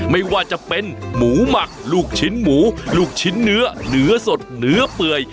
ไม่ว่าจะเป็นหมูหมักลูกชิ้นหมูลูกชิ้นเนื้อเนื้อสดเนื้อเปื่อย